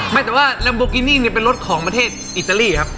ไม่แต่ว่าลัมโบกินี่เป็นรถของประเทศอิตาลีครับ